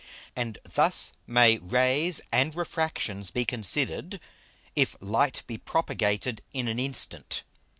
And thus may Rays and Refractions be considered, if Light be propagated in an instant.